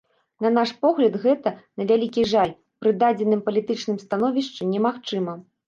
На наш погляд гэта, на вялікі жаль, пры дадзеным палітычным становішчы немагчыма.